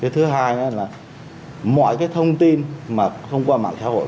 thứ hai là mọi cái thông tin mà thông qua mạng xã hội